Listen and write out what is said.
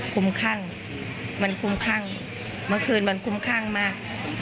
คุ้มครั่งมันคุ้มครั่งเมื่อคืนมันคุ้มข้างมาก